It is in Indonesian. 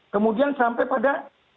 kemudian sampai pada